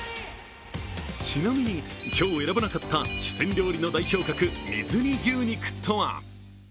ちなみに今日選ばなかった四川料理の代表格、水煮牛肉とは？